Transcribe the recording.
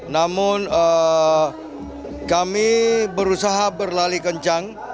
namun kami berusaha berlari kencang